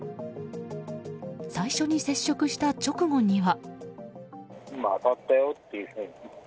最初に接触した直後には。